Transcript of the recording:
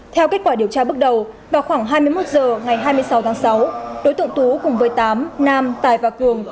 theo kết quả điều tra bước đầu vào khoảng hai mươi một h ngày hai mươi sáu tháng sáu đối tượng tú cùng với tám nam tài và cường